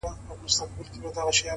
خپل ارزښت په کردار ثابتېږي؛